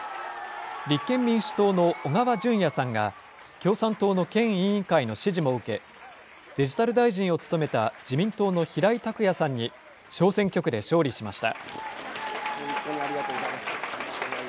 立憲民主党の小川淳也さんが、共産党の県委員会の支持も受け、デジタル大臣を務めた自民党の平井卓也さんに小選挙区で勝利しました。